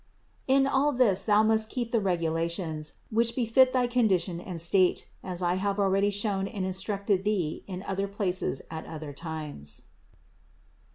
In all this thou must keep the regula tions, which befit thy condition and state, as I have already shown and instructed thee in other places at other times.